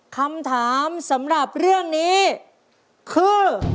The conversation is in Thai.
คำถามสำหรับเรื่องนี้คือ